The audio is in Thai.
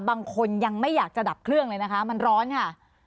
บางคนยังไม่อยากจะดับเครื่องเลยนะคะมันร้อนค่ะ